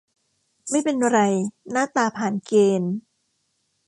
ไม่เป็นไร หน้าตาผ่านเกณฑ์